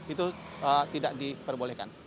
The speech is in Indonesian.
itu tidak diperbolehkan